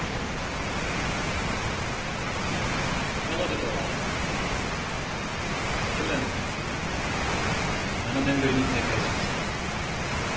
彼女とは去年の夏７年ぶりに再会しました。